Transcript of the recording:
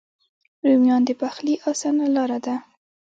رومیان د پخلي آسانه لاره ده